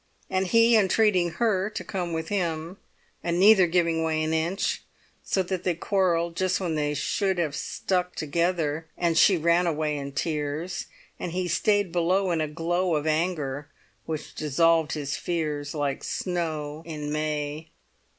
and he entreating her to come with him, and neither giving way an inch, so that they quarrelled just when they should have stuck together, and she ran away in tears, and he stayed below in a glow of anger which dissolved his fears like snow in May.